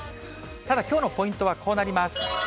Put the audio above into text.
ただきょうのポイントはこうなります。